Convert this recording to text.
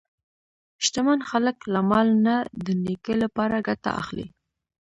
شتمن خلک له مال نه د نیکۍ لپاره ګټه اخلي.